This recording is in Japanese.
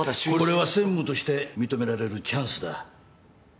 これは専務として認められるチャンスだ。